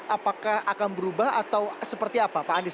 apakah akan berubah atau seperti apa pak andis